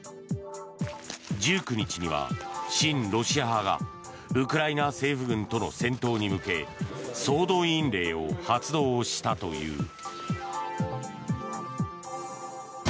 １９日には、親ロシア派がウクライナ政府軍との戦闘に向け総動員令を発動したという。